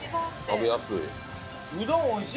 食べやすい。